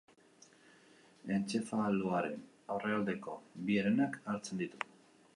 Entzefaloaren aurrealdeko bi herenak hartzen ditu.